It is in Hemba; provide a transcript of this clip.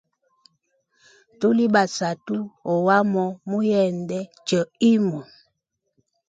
Tuli basatu ohawa muyende choimo.